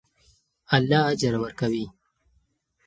الله اجر ورکوي.